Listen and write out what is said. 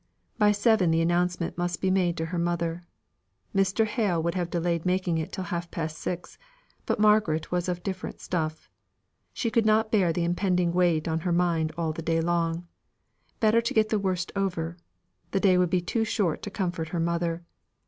By seven the announcement must be made to her mother. Mr. Hale would have delayed making it, but Margaret was of different stuff. She could not bear the impending weight on her mind all day long: better get the worst over; the day would be too short to comfort her mother.